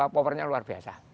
apa powernya luar biasa